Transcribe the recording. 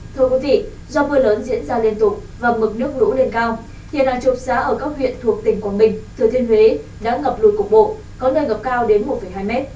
thưa quý vị do mưa lớn diễn ra liên tục và mực nước lũ lên cao hiện hàng chục giá ở các huyện thuộc tỉnh quảng bình thừa thiên huế đã ngập lụt cục bộ có nơi ngập cao đến một hai m